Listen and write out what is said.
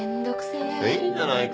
いいじゃないか。